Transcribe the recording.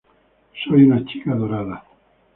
Soy una chica dorada.